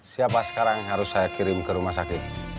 siapa sekarang harus saya kirim ke rumah sakit